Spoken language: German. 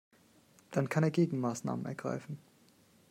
Dann kann er Gegenmaßnahmen ergreifen.